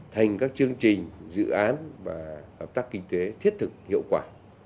thành các chương trình dự án và hợp tác kinh tế thiết thực hiệu quả